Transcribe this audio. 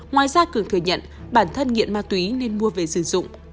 ngoài ra cường thừa nhận bản thân nghiện ma túy nên mua về sử dụng